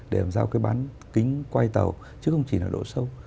để làm sao cái bán kính quay tàu chứ không chỉ là độ sâu